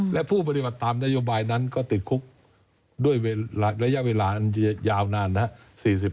และผู้ปฏิบัติตามนโยบายนั้นก็ติดคุกด้วยระยะเวลาอันยาวนานนะครับ